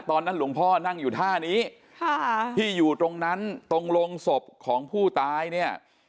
ตอนนั้นหลวงพ่อนั่งอยู่ท่านี้ที่อยู่ตรงนั้นตรงโรงศพของผู้ตายเนี่ย